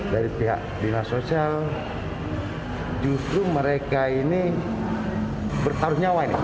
dari pihak dinas sosial justru mereka ini bertaruh nyawa ini